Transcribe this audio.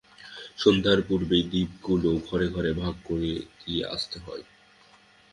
সন্ধ্যার পূর্বেই দীপগুলো ঘরে ঘরে ভাগ করে দিয়ে আসতে হয়।